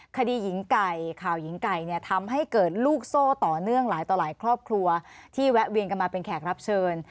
คดีหญิงไก่ข่าวหญิงไก่เนี่ยทำให้เกิดลูกโซ่ต่อเนื่องหลายต่อหลายครอบครัวที่แวะเวียนกันมาเป็นแขกรับเชิญ